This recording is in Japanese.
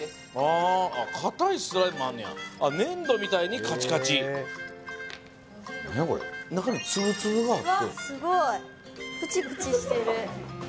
ああ硬いスライムもあんのやあ粘土みたいにカチカチ何やこれ中に粒々が入ってるうわすごいプチプチしてる